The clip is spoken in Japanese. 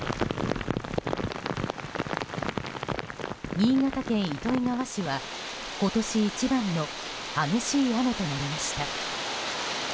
新潟県糸魚川市は、今年一番の激しい雨となりました。